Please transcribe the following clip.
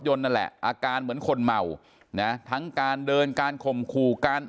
นั่นแหละอาการเหมือนคนเมานะทั้งการเดินการข่มขู่การ